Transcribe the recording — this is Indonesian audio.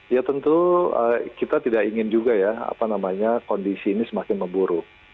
ya tentu kita tidak ingin juga ya apa namanya kondisi ini semakin memburuk